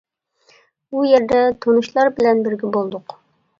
ئۇ يەردە تونۇشلار بىلەن بىرگە بولدۇق.